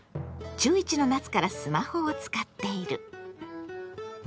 中１の夏からスマホを使っている。